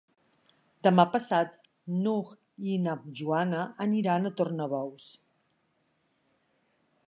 Demà passat n'Hug i na Joana aniran a Tornabous.